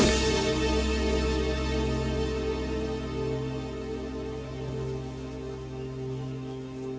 tidak tuan ku